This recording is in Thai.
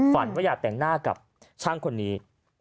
ฝันว่าอยากแต่งหน้ากับช่างคนนี้